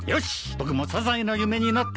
僕もサザエの夢に乗った！